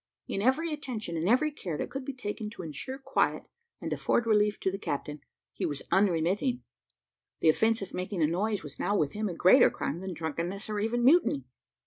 In every attention and every care that could be taken to insure quiet, and afford relief to the captain, he was unremitting; the offence of making a noise was now, with him, a greater crime than drunkenness, or even mutiny.